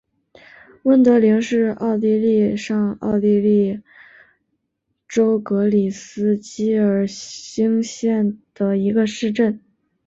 温德灵是奥地利上奥地利州格里斯基尔兴县的一个市镇。